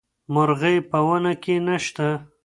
مرغۍ په ونه کې نه شته.